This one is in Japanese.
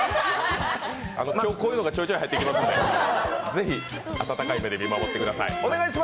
今日、こういうのがちょいちょい入っていきますので、温かい目で見守ってください。